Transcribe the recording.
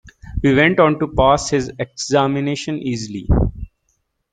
He went on to pass his examination easily.